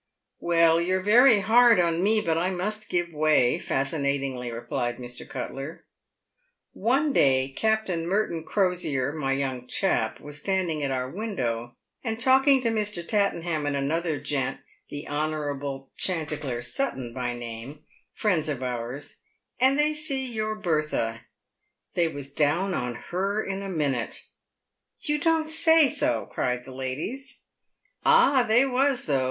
" Well, you're very hard on me, but I must give way," fascinatingly replied Mr. Cuttler. " One day, Captain Merton Crosier— my young chap — was a standing at our window, and talking to Mr. Tattenham l2 148 PAVED WITH GOLD. and another gent, the Hon. Chanticleer Sutton by name— friends of ours— and they see your Bertha. They was down on her in a minute." " You don't say so !" cried the ladies. "Ah, they was, though.